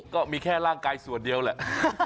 ก็มีแค่ร่างกายส่วนเดียวแหละ